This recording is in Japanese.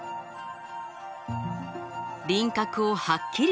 輪郭をはっきりと。